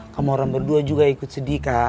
kamu orang berdua juga ikut sedih kak